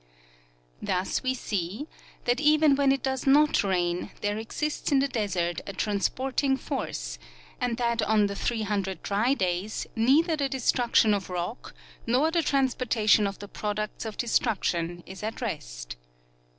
Thus we see that even when it does not rain there exists in the desert a transporting force, and that on the 300 dry days neither the destruction of rock nor the transportation of the products of destruction is at rest.